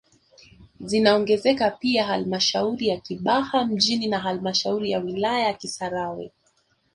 Zinaongezeka pia halmashauri ya Kibaha mjini na halmashauri ya wilaya ya Kisarawe